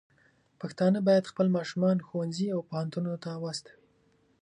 پښتانه بايد خپل ماشومان ښوونځي او پوهنتونونو ته واستوي.